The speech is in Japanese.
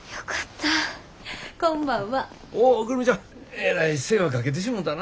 えらい世話かけてしもたな。